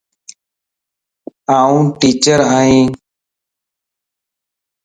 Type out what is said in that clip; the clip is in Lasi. آن ٽيچر ائين